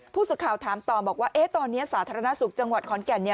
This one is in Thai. ผู้สื่อข่าวถามต่อบอกว่าตอนนี้สาธารณสุขจังหวัดขอนแก่น